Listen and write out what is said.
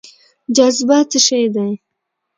جاذبه څه شی دی؟